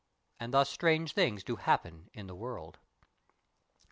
And thus strange things do happen in the world.